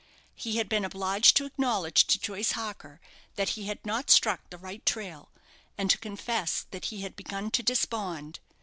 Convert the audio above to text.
He had been obliged to acknowledge to Joyce Harker that he had not struck the right trail, and to confess that he had begun to despond.